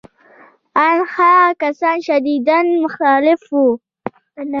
ان هغه کسان شدیداً مخالف وو